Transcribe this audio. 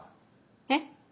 えっ？